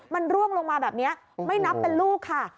มันร่วงลงมาแบบนี้ไม่นับเป็นลูกค่ะ